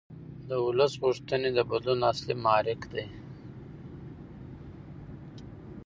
د ولس غوښتنې د بدلون اصلي محرک دي